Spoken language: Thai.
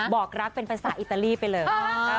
บอกรักเป็นภาษาอิตาลีไปเลย